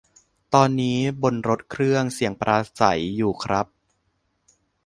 ตอนนี้บนรถเครื่องเสียงปราศรัยอยู่ครับ